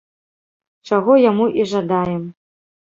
Чаго яму і жадаем.